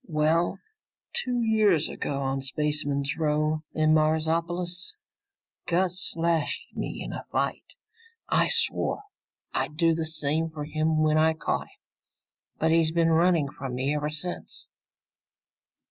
"Well, two years ago, on Spaceman's Row in Marsopolis, Gus slashed me in a fight. I swore I'd do the same for him when I caught him, but he's been running from me ever since."